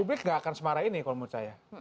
publik nggak akan semara ini kalau menurut saya